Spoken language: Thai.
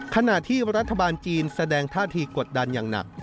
ขณะที่รัฐบาลจีนแสดงท่าทีกดดันอย่างหนัก